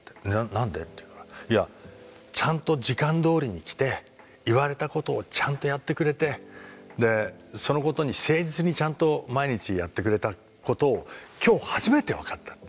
「何で？」って言ったらいやちゃんと時間どおりに来て言われたことをちゃんとやってくれてでそのことに誠実にちゃんと毎日やってくれたことを今日初めて分かったって。